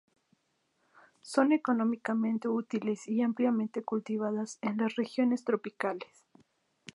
Son económicamente útiles y ampliamente cultivadas en las regiones tropicales.